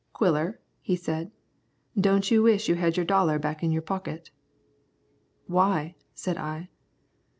"Quiller," he said, "don't you wish you had your dollar back in your pocket?" "Why?" said I.